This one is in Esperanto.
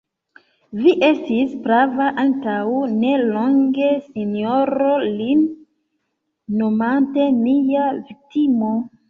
Vi estis prava antaŭ ne longe, sinjoro, lin nomante: mia viktimo.